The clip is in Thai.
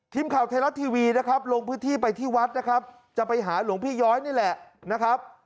ทีมข่าวไทยรัฐทีวีนะครับลงพื้นที่ไปที่วัดนะครับจะไปหาหลวงพี่ย้อยนี่แหละนะครับ